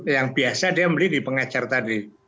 yang biasa dia beli di pengecer tadi